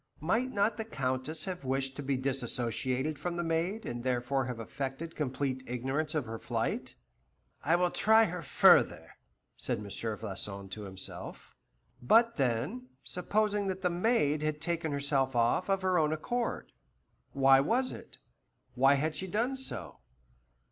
Might not the Countess have wished to be dissociated from the maid, and therefore have affected complete ignorance of her flight? "I will try her further," said M. Floçon to himself. But then, supposing that the maid had taken herself off of her own accord? Why was it? Why had she done so?